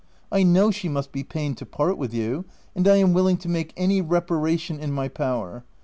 I know she must be pained to part with you, and I am willing to make any reparation in my power.